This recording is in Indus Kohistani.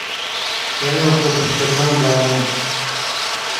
ڇَیؤں قِسم فِقہاں بارہ مہ تھہ